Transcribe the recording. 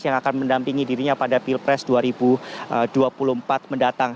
yang akan mendampingi dirinya pada pilpres dua ribu dua puluh empat mendatang